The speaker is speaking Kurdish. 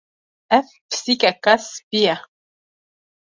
Ev pisîkeka spî ye.